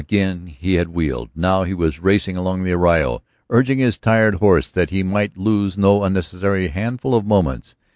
Again he had wheeled; now he was racing along the arroyo, urging a tired horse that he might lose no unnecessary handful of moments.